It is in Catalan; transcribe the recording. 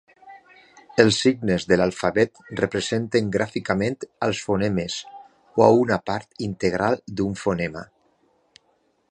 Els signes de l'alfabet representen gràficament als fonemes o a una part integral d'un fonema.